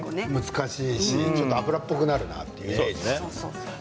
難しいし、ちょっと油っぽくなるなっていうイメージ。